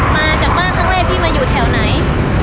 มาจากบ้านครั้งแรกพี่มาอยู่แถวไหน